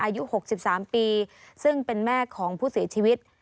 อายุ๖๓ปีซึ่งเป็นแม่ของผู้เสียชีวิต